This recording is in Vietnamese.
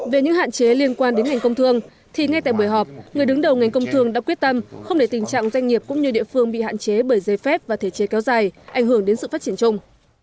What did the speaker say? về những hạn chế liên quan đến ngành công thương thì ngay tại buổi họp người đứng đầu ngành công thương đã quyết tâm không để tình trạng doanh nghiệp cũng như địa phương bị hạn chế bởi dây phép và thể chế kéo dài ảnh hưởng đến sự phát triển chung